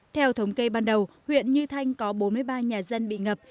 theo thống kê ban đầu huyện như thanh có bốn mươi ba nhà dân bị ngập